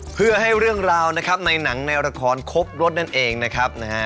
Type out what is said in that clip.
เพื่อให้เรื่องราวนะครับในหนังในละครครบรถนั่นเองนะครับนะฮะ